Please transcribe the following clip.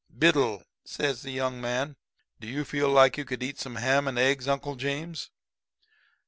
"'Biddle,' says the young man. 'Do you feel like you could eat some ham and eggs, Uncle James?'